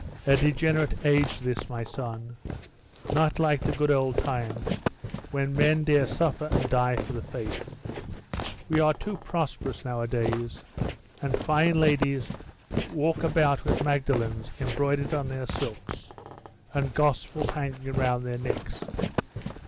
A degenerate age this, my son; not like the good old times, when men dare suffer and die for the faith. We are too prosperous nowadays; and fine ladies walk about with Magdalens embroidered on their silks, and gospels hanging round their necks.